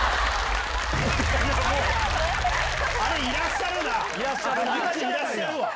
いらっしゃるわ！